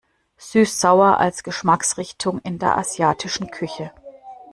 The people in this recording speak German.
Süß-sauer als Geschmacksrichtung in der asiatischen Küche.